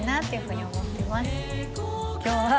今日は。